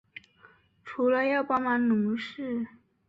除了要帮忙农事